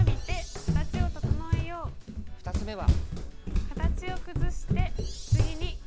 ２つ目は。